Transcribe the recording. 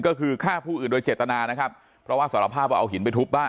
ก็คือฆ่าผู้อื่นโดยเจตนานะครับเพราะว่าสารภาพว่าเอาหินไปทุบบ้าน